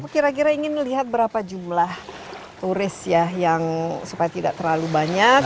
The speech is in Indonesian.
kira kira ingin melihat berapa jumlah turis ya yang supaya tidak terlalu banyak